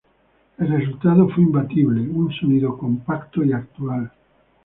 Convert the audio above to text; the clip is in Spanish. El resultado fue imbatible: un sonido compacto y actual.